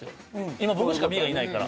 今僕しかＢがいないから。